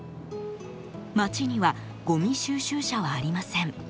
町にはごみ収集車はありません。